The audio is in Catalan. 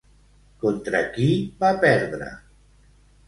Contra qui va perdre?